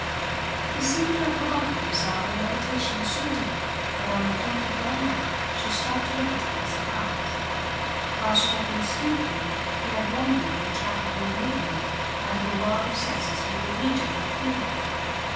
He seemed to have forgotten himself in a meditation so deep that on the point of going out she stopped to look at him in surprise. While she had been speaking he had wandered on the track of the enigma, out of the world of senses into the region of feeling.